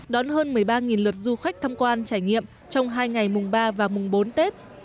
đón hơn một mươi ba lượt du khách tham quan trải nghiệm trong hai ngày mùng ba và mùng bốn tết